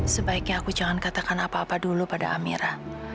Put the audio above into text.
sebaiknya aku jangan katakan apa apa dulu pada amira